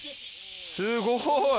すごい！